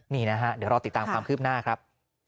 นี่นะฮะเดี๋ยวรอติดตามความคืบหน้าครับ